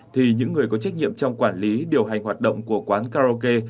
thì những người có trách nhiệm trong quản lý điều hành hoạt động của quán karaoke